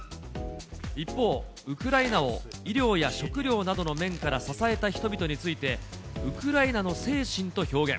一方、ウクライナを医療や食料などの面から支えた人々について、ウクライナの精神と表現。